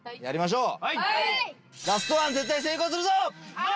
はい！